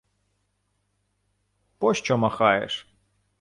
— Пощо махаєш?